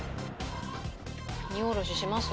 荷降ろしします？